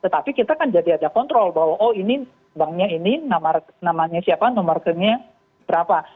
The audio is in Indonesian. tetapi kita kan jadi ada kontrol bahwa oh ini banknya ini namanya siapa nomor krimnya berapa